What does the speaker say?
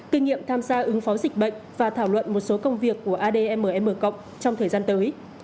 kinh nghiệm tham gia ứng phó dịch bệnh và thảo luận một số công việc của admm trong thời gian tới